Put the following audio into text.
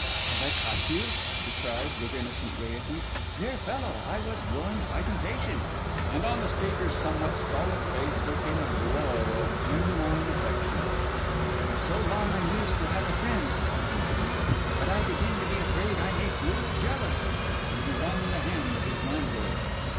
'Have I caught you?' he cried, with innocent gaiety. 'Dear fellow, I was growing quite impatient.' And on the speaker's somewhat stolid face, there came a glow of genuine affection. 'I am so long unused to have a friend,' he continued, 'that I begin to be afraid I may prove jealous.' And he wrung the hand of his landlord.